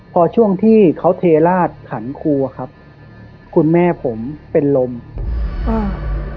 พอช่วงที่เขาเทราชขันครูอ่ะครับคุณแม่ผมเป็นลมอ่า